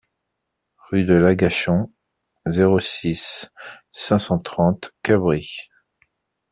Rue de l'Agachon, zéro six, cinq cent trente Cabris